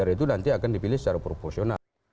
dpr itu nanti akan dipilih secara proporsional